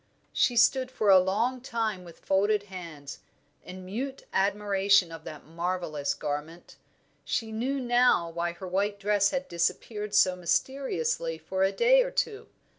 She stood for a long time with folded hands, in mute admiration of that marvellous garment; she knew now why her white dress had disappeared so mysteriously for a day or two.